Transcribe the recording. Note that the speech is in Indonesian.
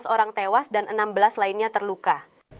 tujuh belas orang tewas dan enam belas lainnya terluka